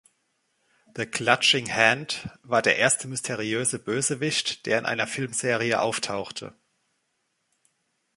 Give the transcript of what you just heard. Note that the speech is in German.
The Clutching Hand war der erste mysteriöse Bösewicht, der in einer Filmserie auftauchte.